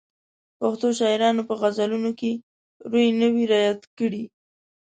پښتو شاعرانو په غزلونو کې روي نه وي رعایت کړی.